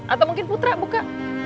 atau mungkin putra buka